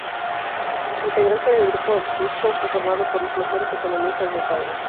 Integrante del grupo Huatusco, conformado por los mejores Economistas del país.